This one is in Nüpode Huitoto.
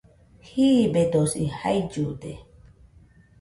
Jiibedosi jaillude